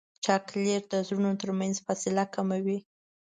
چاکلېټ د زړونو ترمنځ فاصله کموي.